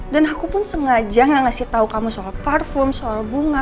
dan aku pun sengaja nggak ngasih tau kamu soal parfum soal bunga